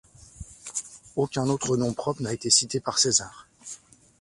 Aucun autre nom propre n'a été cité par César.